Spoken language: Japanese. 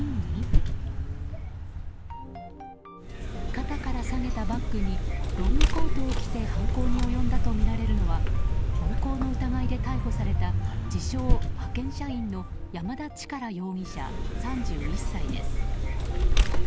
肩から下げたバッグにロングコートを着て犯行に及んだとみられるのは暴行の疑いで逮捕された自称・派遣社員の山田力容疑者、３１歳です。